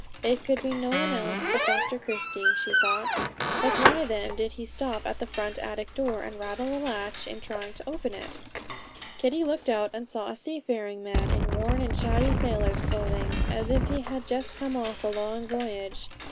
It could be no one else but Dr Christie, she thought; but why then did he stop at the front attic door, and rattle the latch in trying to open it? Kitty looked out and saw a seafaring man, in worn and shabby sailor's clothing, as if he had just come off a long voyage.